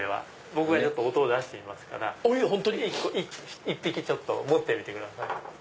僕が音を出してみますから１匹持ってみてください。